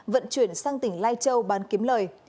vận chuyển sang tỉnh lai châu bán kiếm lời